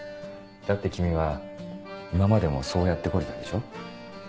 だって君は今までもそうやって来れたでしょ。